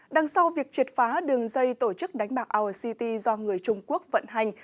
đằng sau việc triệt phá đường dây tổ chức đánh bạc our city do người trung quốc vận hành